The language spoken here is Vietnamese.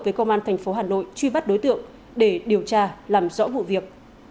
với công an thành phố hà nội truy bắt đối tượng để điều tra làm rõ vụ việc